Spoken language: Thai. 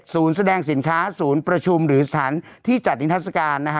๗สูญแสดงสินค้าสูญประชุมหรือสถานที่จัดอินทศการนะฮะ